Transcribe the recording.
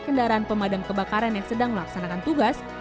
kendaraan pemadam kebakaran yang sedang melaksanakan tugas